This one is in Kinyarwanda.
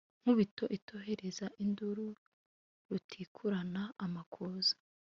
Nkubito itihoreza induru Rutikurana amakuza